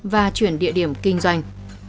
và chuyển địa điểm kinh doanh